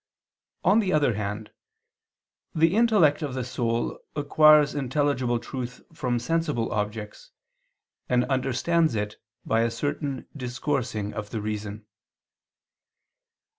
On the other hand, the intellect of the soul acquires intelligible truth from sensible objects, and understands it by a certain discoursing of the reason.